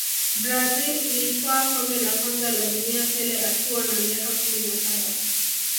brazil ilitwaa kombe la kwanza la dunia pele akiwa na miaka kumi na saba